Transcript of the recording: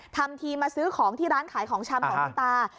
ทำทีมาซื้อของที่ร้านขายของชำของคุณตา